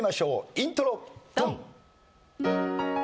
イントロドン！